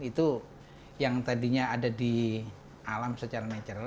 itu yang tadinya ada di alam secara natural